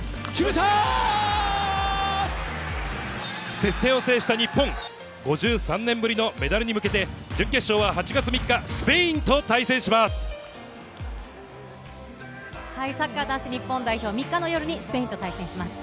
接戦を制した日本、５３年ぶりのメダルに向けて準決勝は８月３日スペインと対戦します。